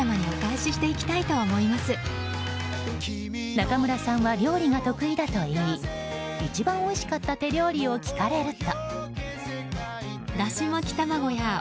中村さんは料理が得意だといい一番おいしかった手料理を聞かれると。